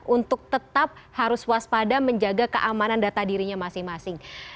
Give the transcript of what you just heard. untuk tetap harus waspada menjaga keamanan data dirinya masing masing